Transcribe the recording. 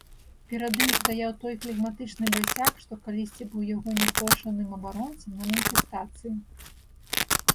Перад ім стаяў той флегматычны басяк, што калісьці быў яго няпрошаным абаронцам на маніфестацыі.